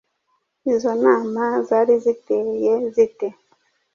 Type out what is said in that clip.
Izo nama zari ziteye zite?